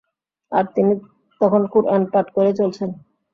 আর তিনি তখন কুরআন পাঠ করেই চলছেন।